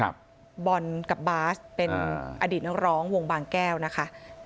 บอลกับบาสเป็นอดีตนักร้องวงบางแก้วนะคะ